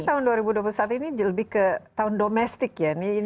tapi saat ini lebih ke tahun domestik ya